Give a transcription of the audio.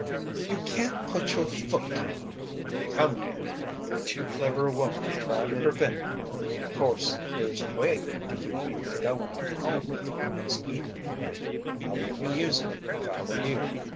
"You can't put your foot " "Come now. You're too clever a woman to try to prevent me. Course there's a way to keep me from goin' up home with you this evenin'. I wouldn't use it, if I were you.